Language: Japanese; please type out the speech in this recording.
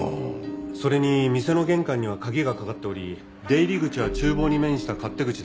それに店の玄関には鍵がかかっており出入り口は厨房に面した勝手口だけ。